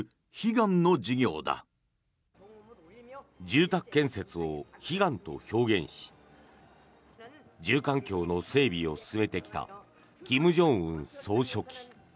住宅建設を悲願と表現し住環境の整備を進めてきた金正恩総書記。